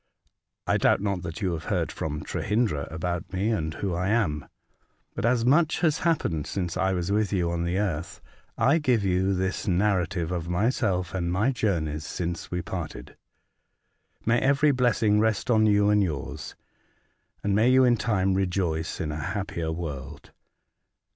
I doubt not that you have heard from Trehyndra about me, and who I am. But, as much has happened since I was with you on the earth, I give you this narrative of myself The Mysterious Bocument, 63 and my journeys since we parted. May every blessing rest on you and yours, and may you in time rejoice in a happier world